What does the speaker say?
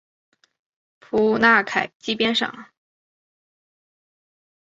普纳凯基边上。